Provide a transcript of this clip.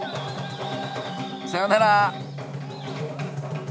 さよなら！